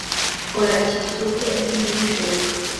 Kora iki gikorwa ejo niba bishoboka.